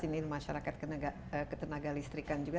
ini masyarakat ketenaga listrikan juga